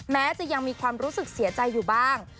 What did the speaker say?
แม้จะยังมีความรู้สึกเสียใจอยู่บ้าง